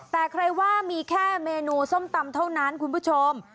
แต่ใครว่ามีแค่เมนูส้มตำเท่านั้นคุณผู้ชม